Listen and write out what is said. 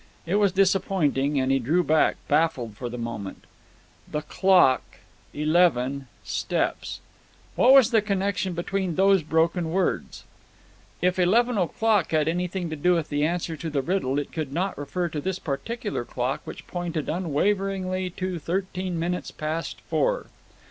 It was disappointing, and he drew back, baffled for the moment "The clock eleven steps." What was the connection between those broken words? If eleven o'clock had anything to do with the answer to the riddle, it could not refer to this particular clock, which pointed unwaveringly to thirteen minutes past four.